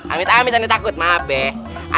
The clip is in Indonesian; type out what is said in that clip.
amit amit aneh takut maaf ya